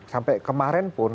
sampai kemarin pun